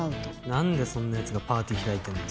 なんでそんな奴がパーティー開いてんだよ。